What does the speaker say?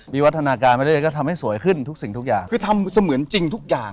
มีวัฒนาการก็ดูดว่ากัน